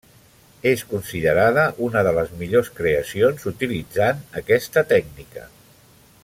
És considerada una de les millors creacions utilitzant aquesta tècnica.